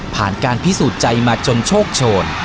ผ่านการพิสูจน์ใจมาจนโชคโฉล